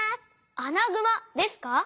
アナグマですか？